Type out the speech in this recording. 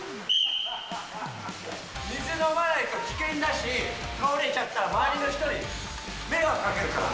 水飲まないと危険だし、倒れちゃったら周りの人に迷惑かけるから。